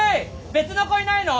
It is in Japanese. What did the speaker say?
別の子いないの？